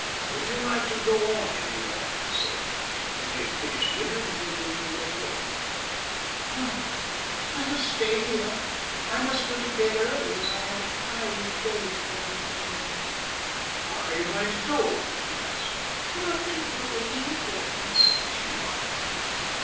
"Would you like to go on anywhere?" he said, when they had finished dinner and were drinking their coffee. "No, let us stay here. I must go to bed early, as I have a tiring day before me tomorrow." "What are you going to do?" he asked. "Nothing of any importance," she laughed.